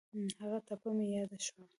هغه ټپه مې یاد شوه.